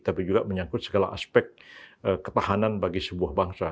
tapi juga menyangkut segala aspek ketahanan bagi sebuah bangsa